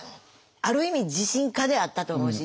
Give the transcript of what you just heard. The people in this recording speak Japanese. ある意味自信家であったと思うし。